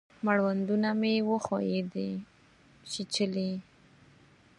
مړوندونه مې وښیو دی چیچلي